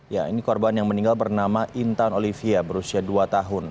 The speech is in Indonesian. ya ini korban yang meninggal bernama intan olivia berusia dua tahun